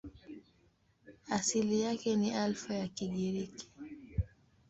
Asili yake ni Alfa ya Kigiriki.